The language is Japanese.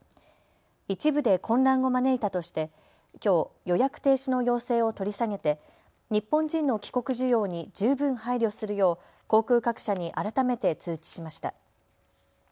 一部で混乱を招いたとしてきょう予約停止の要請を取り下げて日本人の帰国需要に十分配慮するよう航空各社に改めて通知しました。